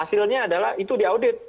hasilnya adalah itu diaudit